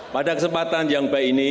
pada kesempatan yang baik ini